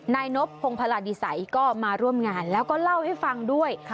นายนบพงพลาดิสัยก็มาร่วมงานแล้วก็เล่าให้ฟังด้วย